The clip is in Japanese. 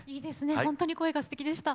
ほんとに声がすてきでした。